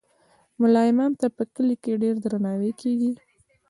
ملا امام ته په کلي کې ډیر درناوی کیږي.